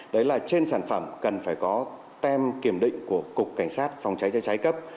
đấy là trên sản phẩm cần phải có tem kiểm định của cục cảnh sát phòng cháy chữa cháy cấp